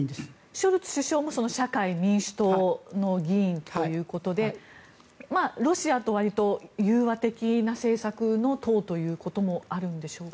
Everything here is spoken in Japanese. ショルツ首相も社会民主党の議員ということでロシアにわりと融和的な政策の党というのもあるんでしょうか。